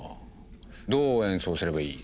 どう演奏すればいい？